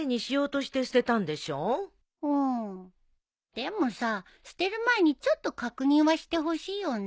でもさ捨てる前にちょっと確認はしてほしいよね。